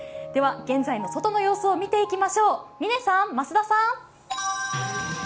現在の外の様子を見ていきましょう、嶺さん、増田さん。